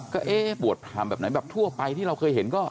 ก็เอ๊ะบวชพรามแบบไหนแบบทั่วไปที่เราเคยเห็นก็